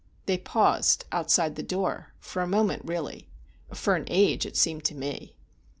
They paused outside the door, for a moment really—for an age it seemed to me.